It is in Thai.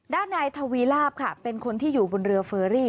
ด้านนายทวีลาบค่ะเป็นคนที่อยู่บนเรือเฟอรี่